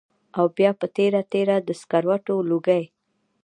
او بيا پۀ تېره تېره د سګرټو لوګی